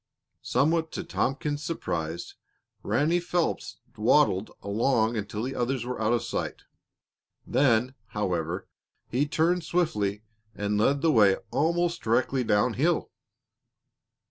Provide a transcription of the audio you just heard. Somewhat to Tompkins's surprise, Ranny Phelps dawdled along until the others were out of sight. Then, however, he turned swiftly and led the way almost directly downhill.